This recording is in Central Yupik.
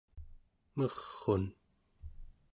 mer'un